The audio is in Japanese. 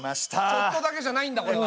チョットだけじゃないんだこれは。